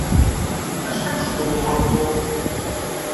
Acḥal txedmeḍ ɣur Tom?